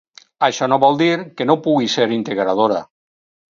Això no vol dir que no pugui ser integradora.